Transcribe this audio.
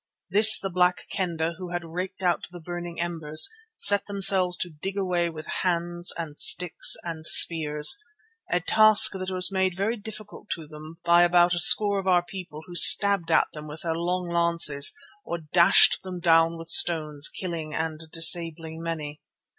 This the Black Kendah, who had raked out the burning embers, set themselves to dig away with hands and sticks and spears, a task that was made very difficult to them by about a score of our people who stabbed at them with their long lances or dashed them down with stones, killing and disabling many.